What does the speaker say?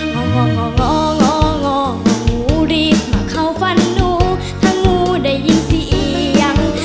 องององององูรีบมาเข้าฝันหนูถ้างูได้ยินเสียง